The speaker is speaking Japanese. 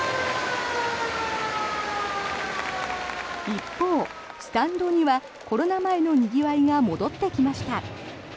一方、スタンドにはコロナ前のにぎわいが戻ってきました。